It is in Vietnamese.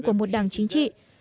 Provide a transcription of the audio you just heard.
của một đảng chính trị